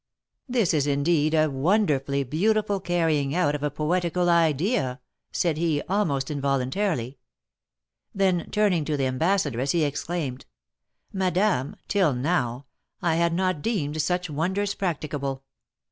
"This is, indeed, a wonderfully beautiful carrying out of a poetical idea," said he, almost involuntarily; then, turning to the ambassadress, he exclaimed, "Madame, till now, I had not deemed such wonders practicable.